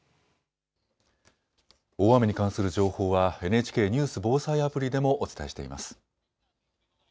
大雨に関する情報はＮＨＫニュース・防災アプリでもお伝えしています。